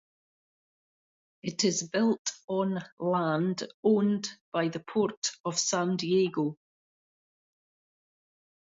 It is built on land owned by the Port of San Diego.